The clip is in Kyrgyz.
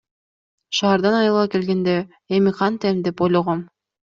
Шаардан айылга келгенде эми кантем деп ойлогом.